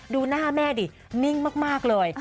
ดูหน้าแม่ดินิ่งมากเลย